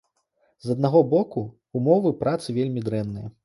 З аднаго боку, умовы працы вельмі дрэнныя.